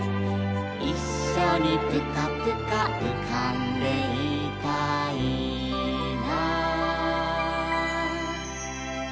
「いっしょにプカプカうかんでいたいな」